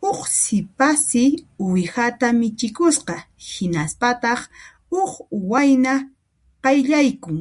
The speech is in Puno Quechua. Huk sipassi uwihata michikusqa; hinaspataq huk wayna qayllaykun